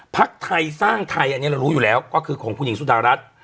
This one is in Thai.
พักไทยสร้างไทยอันนี้เรารู้อยู่แล้วก็คือของคุณหญิงสุดารัฐ